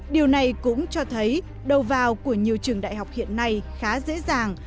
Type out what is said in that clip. điều này cũng cho thấy đầu vào của nhiều trường đại học hiện nay khá dễ dàng